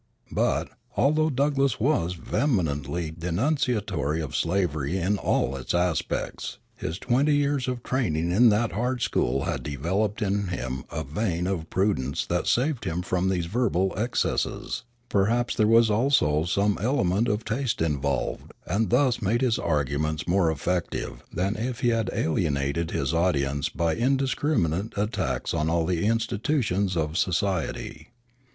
But, although Douglass was vehemently denunciatory of slavery in all its aspects, his twenty years of training in that hard school had developed in him a vein of prudence that saved him from these verbal excesses, perhaps there was also some element of taste involved, and thus made his arguments more effective than if he had alienated his audiences by indiscriminate attacks on all the institutions of society.